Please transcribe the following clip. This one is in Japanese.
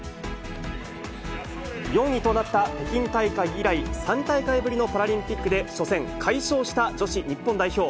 ４位となった北京大会以来、３大会ぶりのパラリンピックで初戦、快勝した女子日本代表。